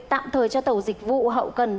tạm thời cho tàu dịch vụ hậu cần